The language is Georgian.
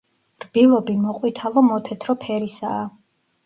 რბილობი მოყვითალო-მოთეთრო ფერისაა.